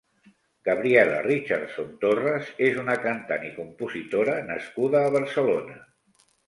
Gabriela Richardson Torres és una cantant i compositora nascuda a Barcelona.